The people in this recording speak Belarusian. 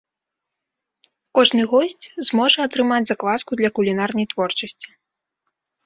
Кожны госць зможа атрымаць закваску для кулінарнай творчасці.